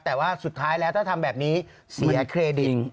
แต่ว่าสุดท้ายแล้วถ้าทำแบบนี้เสียเครดิต